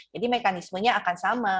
jadi mekanismenya akan sama